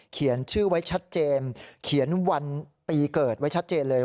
เขียนชื่อไว้ชัดเจนเขียนวันปีเกิดไว้ชัดเจนเลย